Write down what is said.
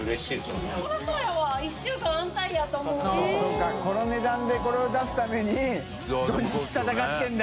修Δこの値段でこれを出すために敍戦ってるんだ。